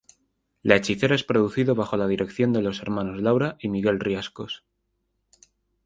La Hechicera es producido bajo la dirección de los hermanos Laura y Miguel Riascos.